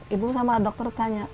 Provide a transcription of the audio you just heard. ibu sama dokter tanya